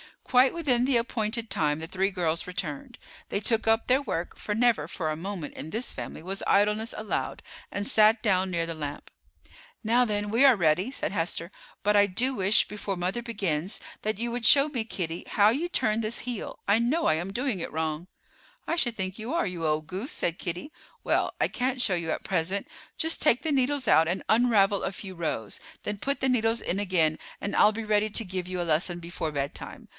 Quite within the appointed time the three girls returned. They took up their work, for never for a moment in this family was idleness allowed, and sat down near the lamp. "Now then, we are ready," said Hester; "but I do wish, before mother begins, that you would show me, Kitty, how you turn this heel. I know I am doing it wrong." "I should think you are, you old goose," said Kitty. "Well, I can't show you at present. Just take the needles out and unravel a few rows, then put the needles in again, and I'll be ready to give you a lesson before bedtime.